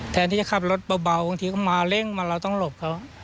แทนที่จะขับรถเบาบางทีก็มาเร่งมาเราต้องหลบเขา